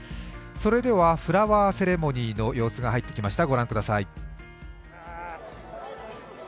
それではフラワーセレモニーの様子が入ってきました。